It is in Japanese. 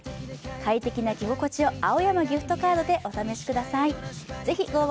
快適な着心地を青山ギフトカードでお試しください。